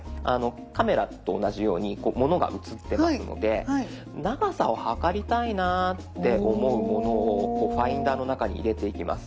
カメラと同じようにものが写ってますので長さを測りたいなって思うものをファインダーの中に入れていきます。